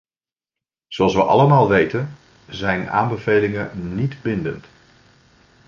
Zoals we allemaal weten, zijn aanbevelingen niet bindend.